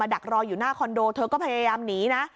ดักรออยู่หน้าคอนโดเธอก็พยายามหนีนะ